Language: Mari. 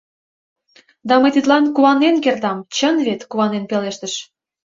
Да мый тидлан куанен кертам, чын вет? — куанен пелештыш.